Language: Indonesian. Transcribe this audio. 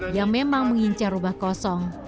yang memang mengincar rumah kosong